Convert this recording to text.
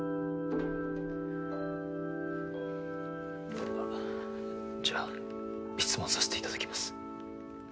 あっじゃあ質問させていただきます。